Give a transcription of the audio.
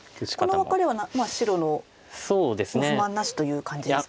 このワカレは白の不満なしという感じですか？